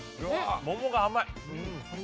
桃が甘い。